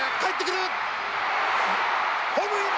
ホームイン！